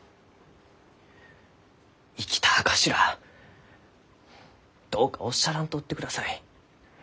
生きた証しらあどうかおっしゃらんとってください。